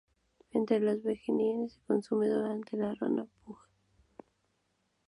Entre los bengalíes, se consume durante el Ranna-Puja.